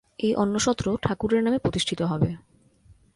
ঐ অন্নসত্র ঠাকুরের নামে প্রতিষ্ঠিত হবে।